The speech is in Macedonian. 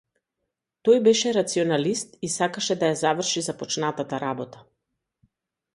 Тој беше рационалист и сакаше да ја заврши започнатата работа.